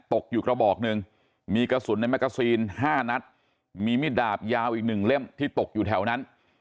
ตกอยู่กระบอกหนึ่งมีกระสุนในแกซีน๕นัดมีมิดดาบยาวอีก๑เล่มที่ตกอยู่แถวนั้น